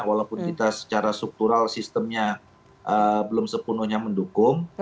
walaupun kita secara struktural sistemnya belum sepenuhnya mendukung